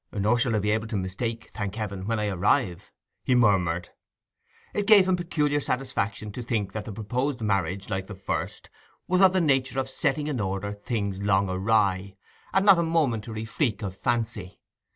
'Nor shall I be able to mistake, thank Heaven, when I arrive,' he murmured. It gave him peculiar satisfaction to think that the proposed marriage, like his first, was of the nature of setting in order things long awry, and not a momentary freak of fancy.